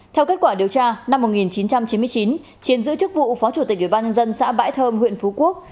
theo kết quả điều tra năm một nghìn chín trăm chín mươi chín chiến giữ chức vụ phó chủ tịch ủy ban nhân dân xã bãi thơm huyện phú quốc